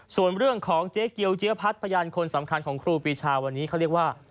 ส่วนเรื่องของเจ๊เกียวเจ๊พัดพยานคนสำคัญของครูปีชาวันนี้เขาเรียกว่า